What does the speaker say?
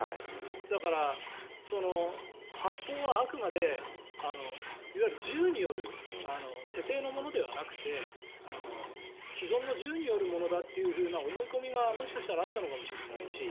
だから、発砲はあくまでいわゆる銃による手製のものではなくて既存の銃によるものだという思い込みが、もしかしたらあったのかもしれないし